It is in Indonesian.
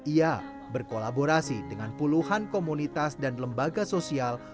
ia berkolaborasi dengan puluhan komunitas dan lembaga sosial